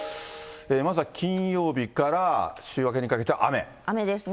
まずは金曜日から、週明けにかけ雨ですね。